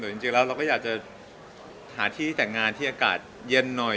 แต่จริงแล้วเราก็อยากจะหาที่แต่งงานที่อากาศเย็นหน่อย